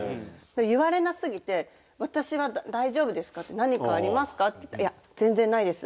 言われなすぎて「私は大丈夫ですか？」って「何かありますか？」って言ったら「いや全然ないです。